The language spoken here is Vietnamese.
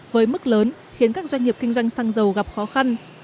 với mức lớn khiến các doanh nghiệp kinh doanh xăng dầu gặp khó khăn